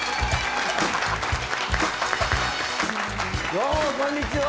どうもこんにちは。